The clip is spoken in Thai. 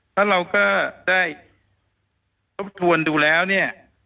ถ้าเราก็ได้ทบทวนดูแล้วเนี่ย